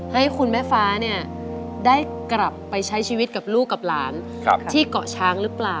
ให้คุณแม่ฟ้าได้กลับไปใช้ชีวิตกับลูกกับหลานที่เกาะช้างหรือเปล่า